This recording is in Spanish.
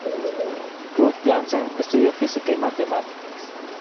Ruud Janssen estudió física y matemáticas.